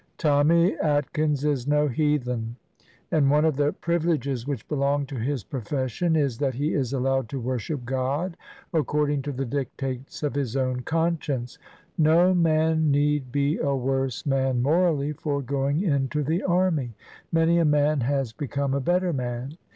" Tommy Atkins " is no heathen. And one of the privileges which belong to his profession is that he is allowed to worship God according to the dic tates of his own conscience. No man need be a worse man morally for going into the army. Many a man has become a better man.